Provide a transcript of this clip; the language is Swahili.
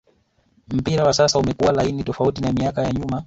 mpira wa sasa umekua laini tofauti na miaka ya nyuma